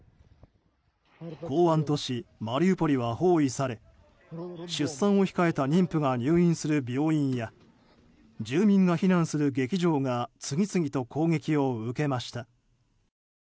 港湾都市マリウポリは包囲され出産を控えた妊婦が入院する病院や住民が避難する劇場が次々と攻撃を受けました。